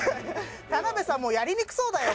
田辺さんやりにくそうだよ